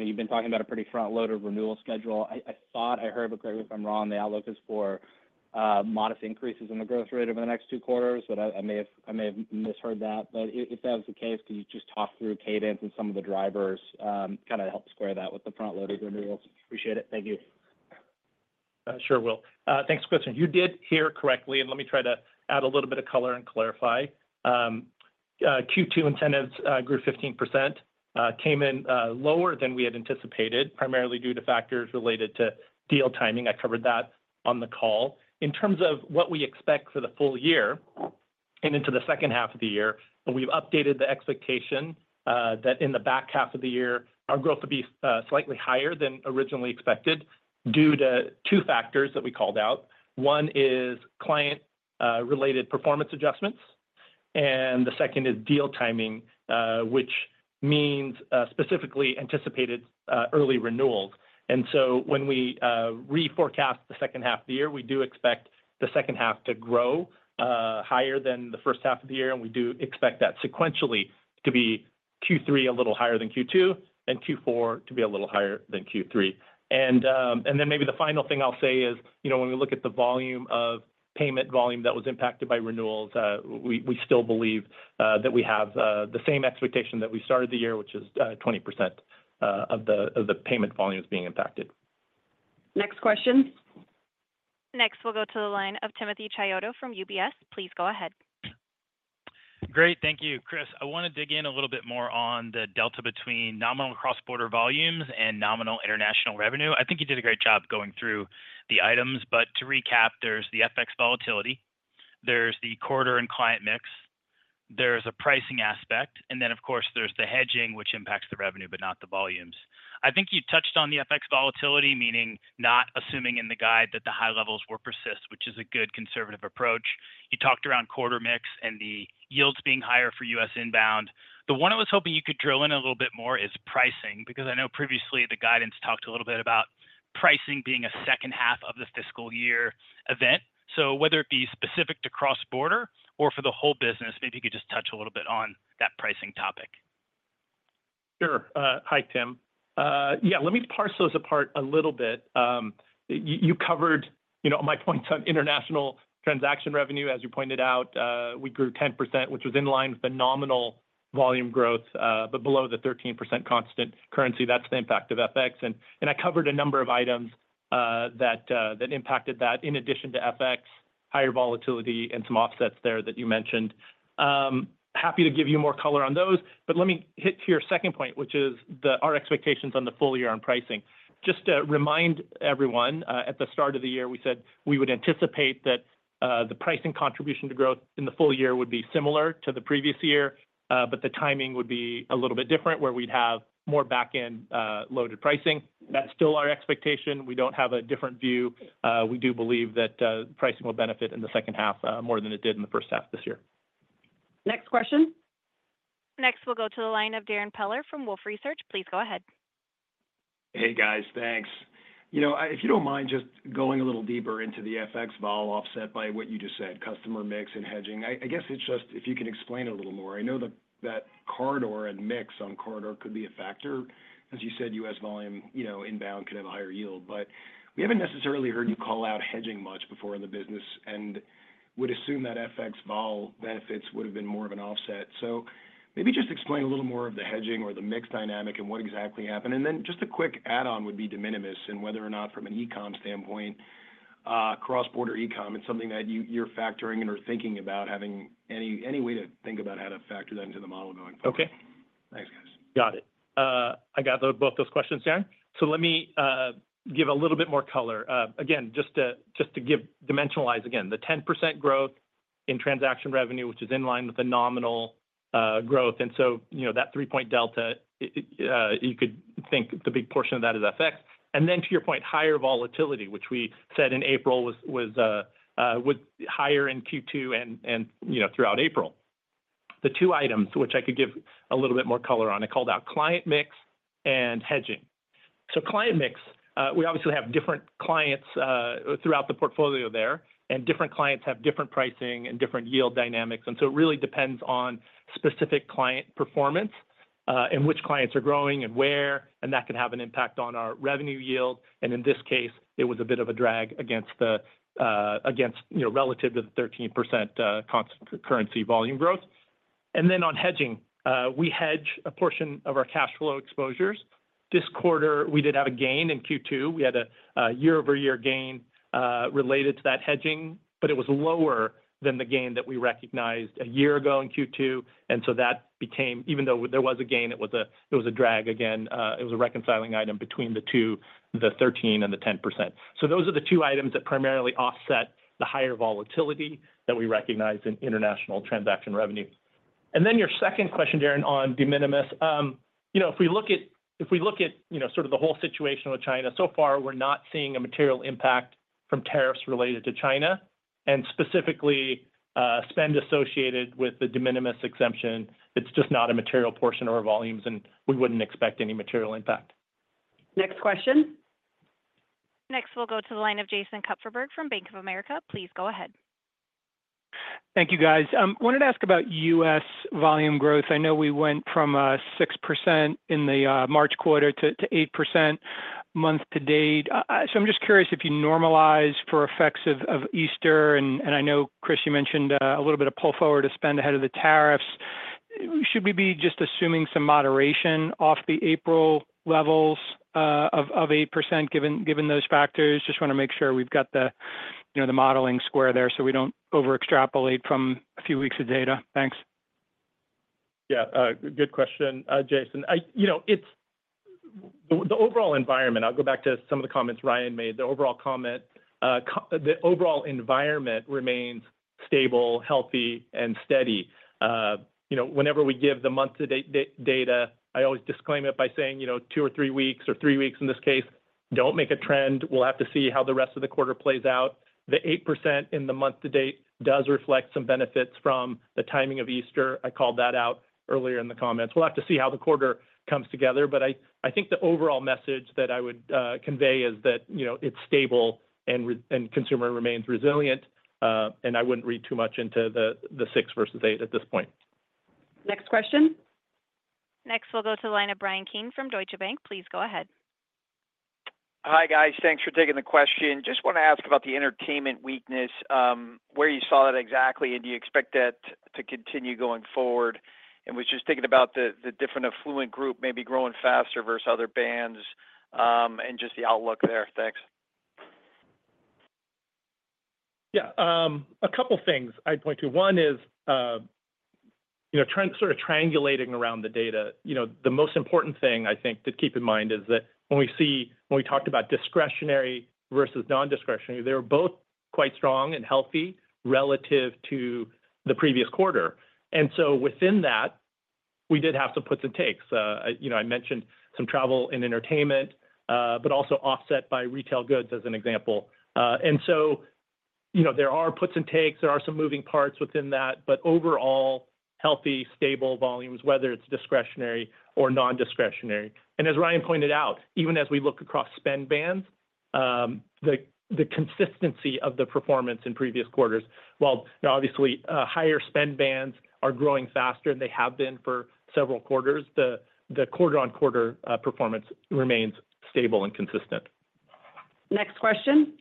you have been talking about a pretty front-loaded renewal schedule. I thought I heard it, but correct me if I am wrong. The outlook is for modest increases in the growth rate over the next two quarters. I may have misheard that. If that was the case, could you just talk through cadence and some of the drivers, kind of help square that with the front-loaded renewals? Appreciate it. Thank you. Sure will. Thanks, Chris. You did hear correctly. Let me try to add a little bit of color and clarify. Q2 incentives grew 15%, came in lower than we had anticipated, primarily due to factors related to deal timing. I covered that on the call. In terms of what we expect for the full year and into the second half of the year, we have updated the expectation that in the back half of the year, our growth would be slightly higher than originally expected due to two factors that we called out. One is client-related performance adjustments. The second is deal timing, which means specifically anticipated early renewals. When we reforecast the second half of the year, we do expect the second half to grow higher than the first half of the year. We do expect that sequentially to be Q3 a little higher than Q2 and Q4 to be a little higher than Q3. Maybe the final thing I'll say is when we look at the volume of payment volume that was impacted by renewals, we still believe that we have the same expectation that we started the year, which is 20% of the payment volume is being impacted. Next question. Next, we'll go to the line of Timothy Chiodo from UBS. Please go ahead. Great. Thank you. Chris, I want to dig in a little bit more on the delta between nominal cross-border volumes and nominal international revenue. I think you did a great job going through the items. But to recap, there's the FX volatility. There's the corridor and client mix. There's a pricing aspect. And then, of course, there's the hedging, which impacts the revenue, but not the volumes. I think you touched on the FX volatility, meaning not assuming in the guide that the high levels will persist, which is a good conservative approach. You talked around quarter mix and the yields being higher for U.S. inbound. The one I was hoping you could drill in a little bit more is pricing, because I know previously the guidance talked a little bit about pricing being a second half of the fiscal year event. So whether it be specific to cross-border or for the whole business, maybe you could just touch a little bit on that pricing topic. Sure. Hi, Tim. Yeah, let me parse those apart a little bit. You covered my points on international transaction revenue. As you pointed out, we grew 10%, which was in line with the nominal volume growth, but below the 13% constant currency. That's the impact of FX. I covered a number of items that impacted that in addition to FX, higher volatility, and some offsets there that you mentioned. Happy to give you more color on those. Let me hit your second point, which is our expectations on the full year on pricing. Just to remind everyone, at the start of the year, we said we would anticipate that the pricing contribution to growth in the full year would be similar to the previous year, but the timing would be a little bit different where we'd have more back-end loaded pricing. That's still our expectation. We don't have a different view. We do believe that pricing will benefit in the second half more than it did in the first half this year. Next question. Next, we'll go to the line of Darrin Peller from Wolfe Research. Please go ahead. Hey, guys. Thanks. If you don't mind just going a little deeper into the FX vol offset by what you just said, customer mix and hedging, I guess it's just if you can explain it a little more. I know that corridor and mix on corridor could be a factor. As you said, U.S. volume inbound could have a higher yield. But we haven't necessarily heard you call out hedging much before in the business and would assume that FX vol benefits would have been more of an offset. Maybe just explain a little more of the hedging or the mix dynamic and what exactly happened. Then just a quick add-on would be de minimis and whether or not from an e-com standpoint, cross-border e-com, it's something that you're factoring in or thinking about having any way to think about how to factor that into the model going forward. Okay. Thanks, guys. Got it. I got both those questions down. Let me give a little bit more color. Again, just to dimensionalize again, the 10% growth in transaction revenue, which is in line with the nominal growth. That three-point delta, you could think the big portion of that is FX. To your point, higher volatility, which we said in April was higher in Q2 and throughout April. The two items, which I could give a little bit more color on, I called out client mix and hedging. Client mix, we obviously have different clients throughout the portfolio there, and different clients have different pricing and different yield dynamics. It really depends on specific client performance and which clients are growing and where, and that can have an impact on our revenue yield. In this case, it was a bit of a drag relative to the 13% constant currency volume growth. On hedging, we hedge a portion of our cash flow exposures. This quarter, we did have a gain in Q2. We had a year-over-year gain related to that hedging, but it was lower than the gain that we recognized a year ago in Q2. That became, even though there was a gain, a drag again. It was a reconciling item between the two, the 13 and the 10%. Those are the two items that primarily offset the higher volatility that we recognize in international transaction revenue. Your second question, Darrin, on de minimis, if we look at sort of the whole situation with China, so far, we're not seeing a material impact from tariffs related to China and specifically spend associated with the de minimis exemption. It's just not a material portion of our volumes, and we wouldn't expect any material impact. Next question. Next, we'll go to the line of Jason Kupferberg from Bank of America. Please go ahead. Thank you, guys. I wanted to ask about U.S. volume growth. I know we went from 6% in the March quarter to 8% month to date. I'm just curious if you normalize for effects of Easter, and I know, Chris, you mentioned a little bit of pull forward to spend ahead of the tariffs. Should we be just assuming some moderation off the April levels of 8% given those factors? Just want to make sure we've got the modeling square there so we do not overextrapolate from a few weeks of data. Thanks. Yeah. Good question, Jason. The overall environment, I will go back to some of the comments Ryan made. The overall environment remains stable, healthy, and steady. Whenever we give the month-to-date data, I always disclaim it by saying two or three weeks or three weeks in this case do not make a trend. We will have to see how the rest of the quarter plays out. The 8% in the month-to-date does reflect some benefits from the timing of Easter. I called that out earlier in the comments. We will have to see how the quarter comes together. I think the overall message that I would convey is that it is stable and consumer remains resilient. I would not read too much into the six versus eight at this point. Next question. Next, we will go to the line of Bryan Keane from Deutsche Bank. Please go ahead. Hi, guys. Thanks for taking the question. Just want to ask about the entertainment weakness, where you saw that exactly, and do you expect that to continue going forward? I was just thinking about the different affluent group maybe growing faster versus other bands and just the outlook there. Thanks. Yeah. A couple of things I would point to. One is sort of triangulating around the data. The most important thing, I think, to keep in mind is that when we talked about discretionary versus non-discretionary, they were both quite strong and healthy relative to the previous quarter. Within that, we did have some puts and takes. I mentioned some travel and entertainment, but also offset by retail goods as an example. There are puts and takes. There are some moving parts within that, but overall, healthy, stable volumes, whether it's discretionary or non-discretionary. As Ryan pointed out, even as we look across spend bands, the consistency of the performance in previous quarters, while obviously higher spend bands are growing faster and they have been for several quarters, the quarter-on-quarter performance remains stable and consistent. Next question.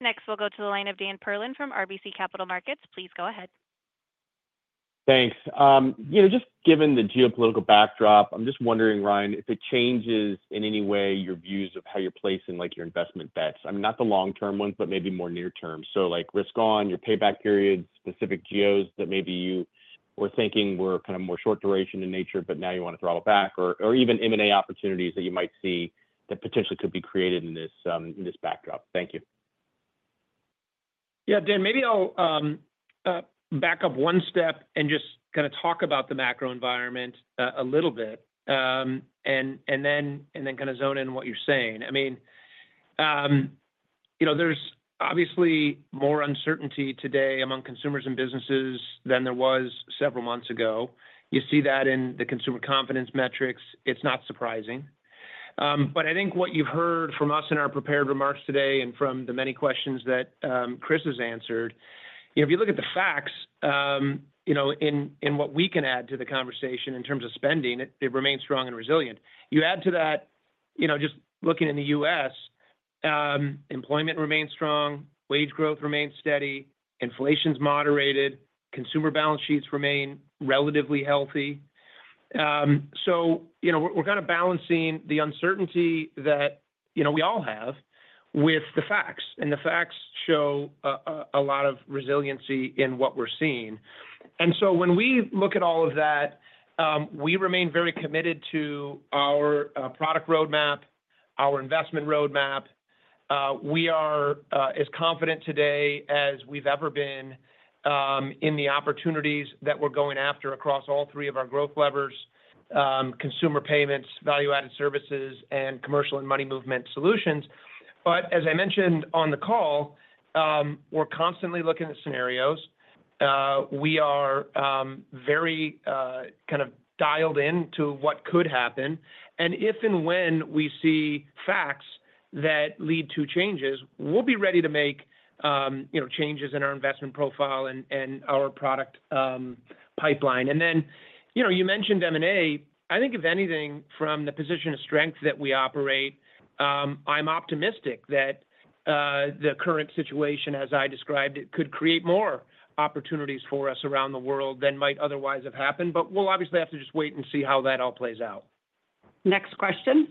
Next, we'll go to the line of Dan Perlin from RBC Capital Markets. Please go ahead. Thanks. Just given the geopolitical backdrop, I'm just wondering, Ryan, if it changes in any way your views of how you're placing your investment bets. I mean, not the long-term ones, but maybe more near-term. Risk-on, your payback periods, specific GOs that maybe you were thinking were kind of more short duration in nature, but now you want to throttle back, or even M&A opportunities that you might see that potentially could be created in this backdrop. Thank you. Yeah, Dan, maybe I'll back up one step and just kind of talk about the macro environment a little bit and then kind of zone in what you're saying. I mean, there's obviously more uncertainty today among consumers and businesses than there was several months ago. You see that in the consumer confidence metrics. It's not surprising. I think what you've heard from us in our prepared remarks today and from the many questions that Chris has answered, if you look at the facts in what we can add to the conversation in terms of spending, it remains strong and resilient. You add to that, just looking in the U.S., employment remains strong, wage growth remains steady, inflation's moderated, consumer balance sheets remain relatively healthy. We are kind of balancing the uncertainty that we all have with the facts. The facts show a lot of resiliency in what we're seeing. When we look at all of that, we remain very committed to our product roadmap, our investment roadmap. We are as confident today as we've ever been in the opportunities that we're going after across all three of our growth levers: consumer payments, value-added services, and commercial and money movement solutions. As I mentioned on the call, we're constantly looking at scenarios. We are very kind of dialed into what could happen. If and when we see facts that lead to changes, we'll be ready to make changes in our investment profile and our product pipeline. You mentioned M&A. I think, if anything, from the position of strength that we operate, I'm optimistic that the current situation, as I described it, could create more opportunities for us around the world than might otherwise have happened. We'll obviously have to just wait and see how that all plays out. Next question.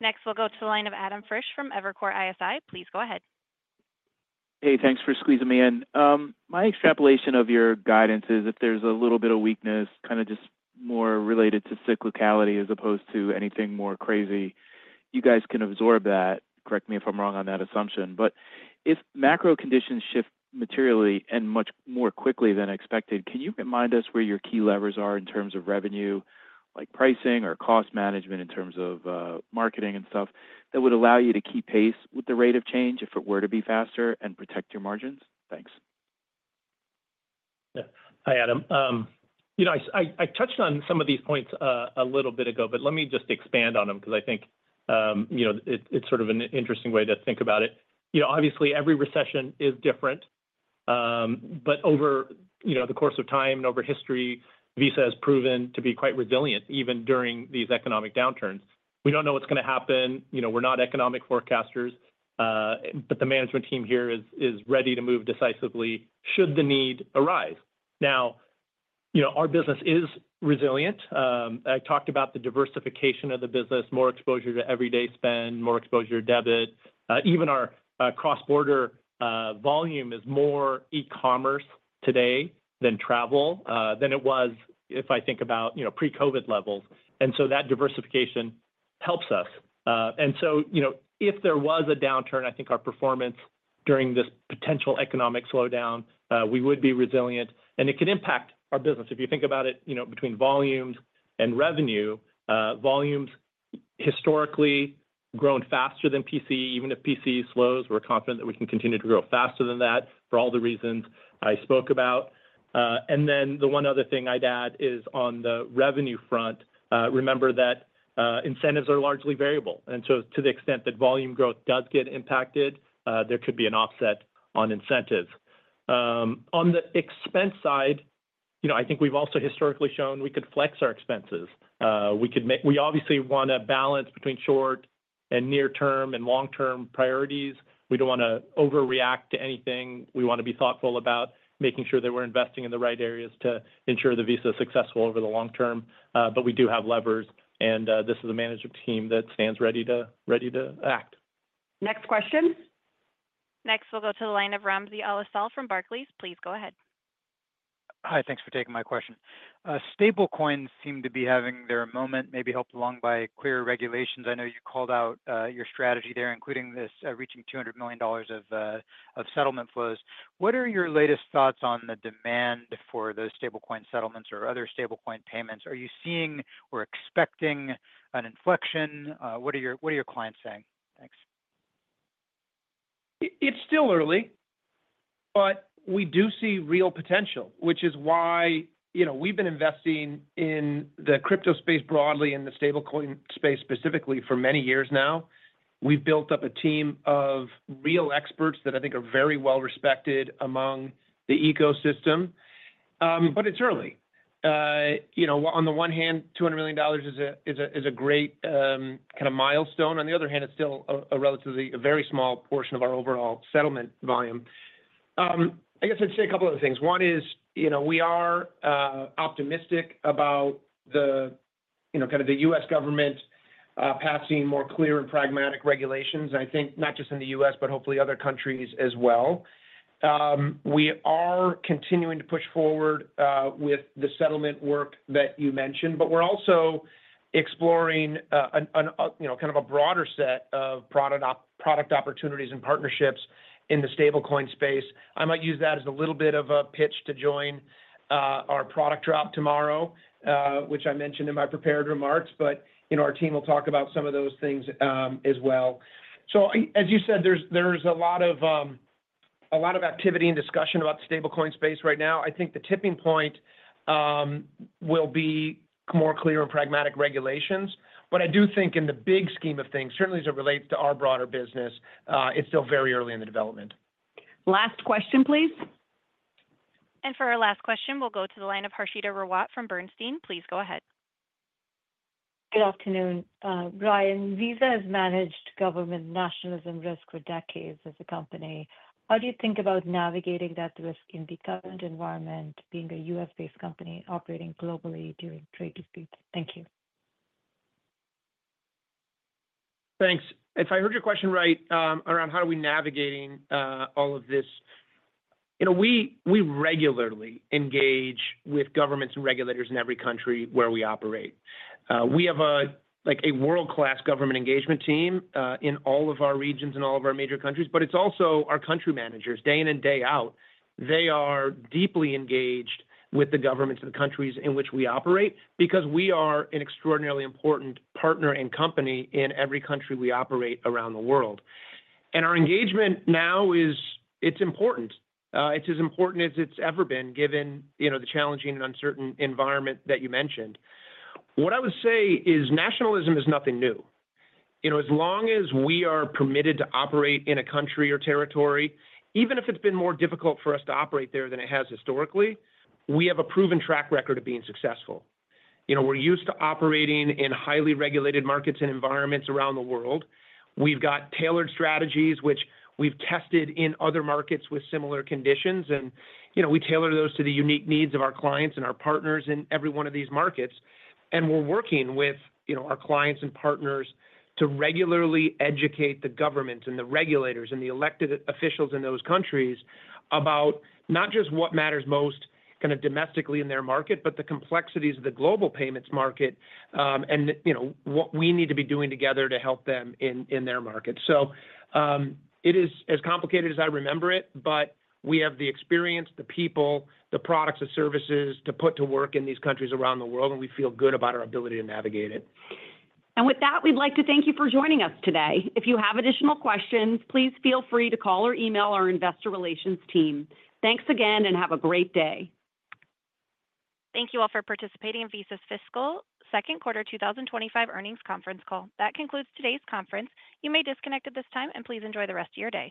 Next, we'll go to the line of Adam Frisch from Evercore ISI. Please go ahead. Hey, thanks for squeezing me in. My extrapolation of your guidance is if there's a little bit of weakness, kind of just more related to cyclicality as opposed to anything more crazy, you guys can absorb that. Correct me if I'm wrong on that assumption. If macro conditions shift materially and much more quickly than expected, can you remind us where your key levers are in terms of revenue, like pricing or cost management in terms of marketing and stuff that would allow you to keep pace with the rate of change if it were to be faster and protect your margins? Thanks. Hi, Adam. I touched on some of these points a little bit ago, but let me just expand on them because I think it's sort of an interesting way to think about it. Obviously, every recession is different. Over the course of time and over history, Visa has proven to be quite resilient even during these economic downturns. We don't know what's going to happen. We're not economic forecasters, but the management team here is ready to move decisively should the need arise. Now, our business is resilient. I talked about the diversification of the business, more exposure to everyday spend, more exposure to debit. Even our cross-border volume is more e-commerce today than travel than it was if I think about pre-COVID levels. That diversification helps us. If there was a downturn, I think our performance during this potential economic slowdown, we would be resilient. It can impact our business. If you think about it between volumes and revenue, volumes historically grown faster than PCE. Even if PCE slows, we're confident that we can continue to grow faster than that for all the reasons I spoke about. The one other thing I'd add is on the revenue front, remember that incentives are largely variable. To the extent that volume growth does get impacted, there could be an offset on incentives. On the expense side, I think we've also historically shown we could flex our expenses. We obviously want a balance between short and near-term and long-term priorities. We don't want to overreact to anything. We want to be thoughtful about making sure that we're investing in the right areas to ensure that Visa is successful over the long term. We do have levers, and this is a management team that stands ready to act. Next question. Next, we'll go to the line of Ramsey El-Assal from Barclays. Please go ahead. Hi, thanks for taking my question. Stablecoins seem to be having their moment, maybe helped along by clear regulations. I know you called out your strategy there, including this reaching $200 million of settlement flows. What are your latest thoughts on the demand for those stablecoin settlements or other stablecoin payments? Are you seeing or expecting an inflection? What are your clients saying? Thanks. It's still early, but we do see real potential, which is why we've been investing in the crypto space broadly in the stablecoin space specifically for many years now. We've built up a team of real experts that I think are very well respected among the ecosystem. It's early. On the one hand, $200 million is a great kind of milestone. On the other hand, it's still a relatively very small portion of our overall settlement volume. I guess I'd say a couple of things. One is we are optimistic about kind of the U.S. government passing more clear and pragmatic regulations. I think not just in the U.S., but hopefully other countries as well. We are continuing to push forward with the settlement work that you mentioned, but we're also exploring kind of a broader set of product opportunities and partnerships in the stablecoin space. I might use that as a little bit of a pitch to join our product drop tomorrow, which I mentioned in my prepared remarks. Our team will talk about some of those things as well. As you said, there's a lot of activity and discussion about the stablecoin space right now. I think the tipping point will be more clear and pragmatic regulations. I do think in the big scheme of things, certainly as it relates to our broader business, it's still very early in the development. Last question, please. For our last question, we'll go to the line of Harshita Rawat from Bernstein. Please go ahead. Good afternoon. Ryan, Visa has managed government nationalism risk for decades as a company. How do you think about navigating that risk in the current environment, being a U.S.-based company operating globally during trade disputes? Thank you. Thanks. If I heard your question right around how are we navigating all of this, we regularly engage with governments and regulators in every country where we operate. We have a world-class government engagement team in all of our regions and all of our major countries, but it's also our country managers day in and day out. They are deeply engaged with the governments of the countries in which we operate because we are an extraordinarily important partner and company in every country we operate around the world. Our engagement now, it's important. It's as important as it's ever been given the challenging and uncertain environment that you mentioned. What I would say is nationalism is nothing new. As long as we are permitted to operate in a country or territory, even if it's been more difficult for us to operate there than it has historically, we have a proven track record of being successful. We're used to operating in highly regulated markets and environments around the world. We've got tailored strategies, which we've tested in other markets with similar conditions. We tailor those to the unique needs of our clients and our partners in every one of these markets. We're working with our clients and partners to regularly educate the governments and the regulators and the elected officials in those countries about not just what matters most kind of domestically in their market, but the complexities of the global payments market and what we need to be doing together to help them in their market. It is as complicated as I remember it, but we have the experience, the people, the products, the services to put to work in these countries around the world, and we feel good about our ability to navigate it. With that, we'd like to thank you for joining us today. If you have additional questions, please feel free to call or email our investor relations team. Thanks again, and have a great day. Thank you all for participating in Visa's fiscal second quarter 2025 earnings conference call. That concludes today's conference. You may disconnect at this time, and please enjoy the rest of your day.